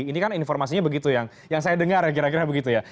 ini kan informasinya begitu yang saya dengar ya kira kira begitu ya